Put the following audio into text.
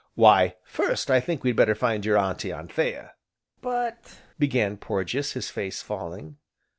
"Why, first, I think we'd better find your Auntie Anthea." "But, " began Porges, his face falling.